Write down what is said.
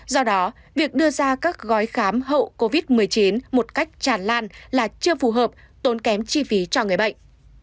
do đó việc đưa ra các gói khám hậu covid một mươi chín một cách tràn lan là chưa phù hợp tốn kém chi phí cho người bệnh